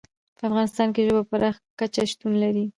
په افغانستان کې ژبې په پراخه کچه شتون لري.